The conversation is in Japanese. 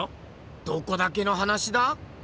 どこだけの話だ？